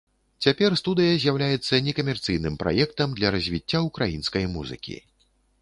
Цяпер студыя з'яўляецца некамерцыйным праектам для развіцця ўкраінскай музыкі.